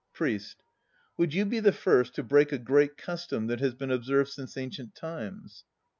PRIEST. Would you be the first to break a Great Custom that has been observed since ancient times?